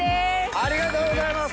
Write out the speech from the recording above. ありがとうございます！